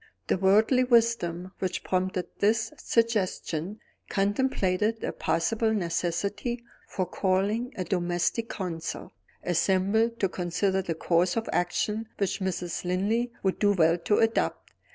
The worldly wisdom which prompted this suggestion contemplated a possible necessity for calling a domestic council, assembled to consider the course of action which Mrs. Linley would do well to adopt.